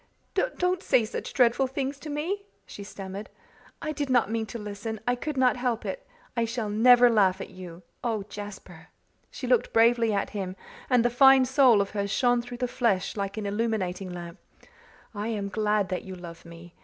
"Don't say such dreadful things to me," she stammered, "I did not mean to listen. I could not help it. I shall never laugh at you. Oh, Jasper" she looked bravely at him and the fine soul of her shone through the flesh like an illuminating lamp "I am glad that you love me!